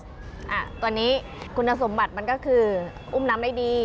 อ่าตอนนี้คุณสมบัติมันก็คืออุ้มน้ำได้ดี